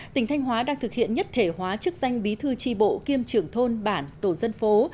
tỉnh thanh hóa đang thực hiện nhất thể hóa chức danh bí thư tri bộ kiêm trưởng thôn bản tổ dân phố